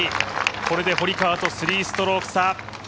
これで堀川と３ストローク差。